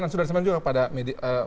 dan sudah disampaikan juga pada media